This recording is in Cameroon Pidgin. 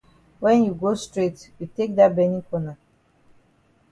When you go straight you take dat benin corner.